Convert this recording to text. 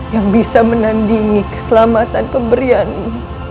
yang bisa menandingi keselamatan pemberianmu